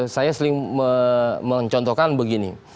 saya seling mencontohkan begini